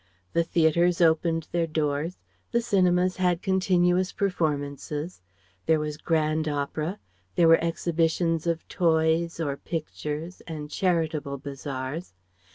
The theatres opened their doors; the cinemas had continuous performances; there was Grand Opera; there were exhibitions of toys, or pictures, and charitable bazaars.